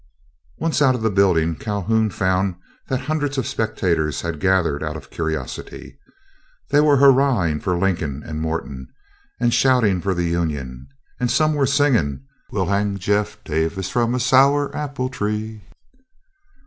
Once out of the building Calhoun found that hundreds of spectators had gathered out of curiosity. They were hurrahing for Lincoln and Morton, and shouting for the Union, and some were singing, "We'll hang Jeff Davis on a sour apple tree."